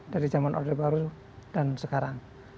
dari zaman orde baru dan sekarang